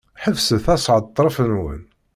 Ḥebset ashetref-nwen!